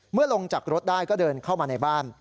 ลงจากรถได้ก็เดินเข้ามาในบ้าน